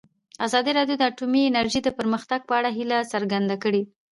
ازادي راډیو د اټومي انرژي د پرمختګ په اړه هیله څرګنده کړې.